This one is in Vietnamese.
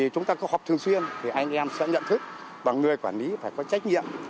chúng ta có họp thường xuyên thì anh em sẽ nhận thức bằng người quản lý phải có trách nhiệm